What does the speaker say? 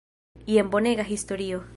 Jen bonega historio!